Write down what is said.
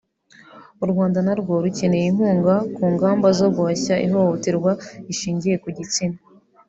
u Rwanda narwo rukeneye inkunga ku ngamba zo guhashya ihohoterwa rishingiye ku gitsina